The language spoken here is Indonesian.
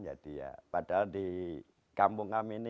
ya padahal di kampung kami ini